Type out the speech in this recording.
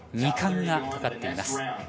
２冠がかかっています。